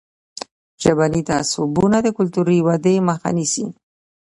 ژبني تعصبونه د کلتوري ودې مخه نیسي.